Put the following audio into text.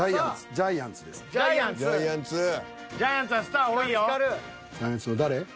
ジャイアンツの誰？